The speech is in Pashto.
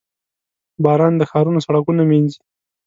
• باران د ښارونو سړکونه مینځي.